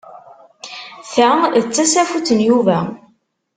Ta d tasafut n Yuba.